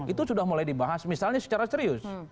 itu sudah mulai dibahas misalnya secara serius